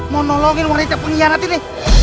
mau nolongin wanita pengkhianat ini